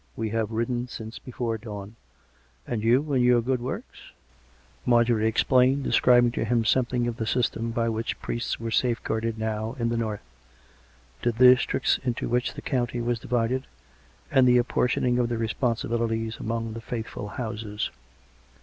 " We have ridden since before dawn. ... And you, and your good works? " Marjorie explained, describing to him something of the system by which priests were safeguarded now in the north — the districts into which the county was divided, and the apportioning of the responsibilities among the faithful houses.